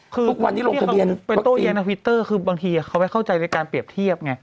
คือทุกวันนี้ลงทะเบียนทวิตเตอร์คือบางทีเขาไม่เข้าใจในการเปรียบเทียบไง